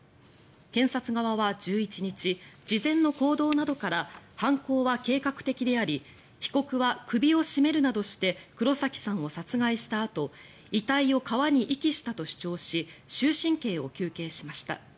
検察側は１１日事前の行動などから犯行は計画的であり被告は首を絞めるなどして黒崎さんを殺害したあと遺体を川に遺棄したと主張し終身刑を求刑しました。